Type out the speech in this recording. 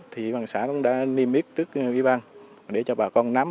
thì bà con đã niêm yếp trước y ban để cho bà con nắm